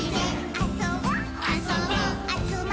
「あそぼ」あそぼ。